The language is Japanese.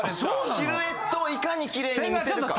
シルエットをいかにきれいに見せるか。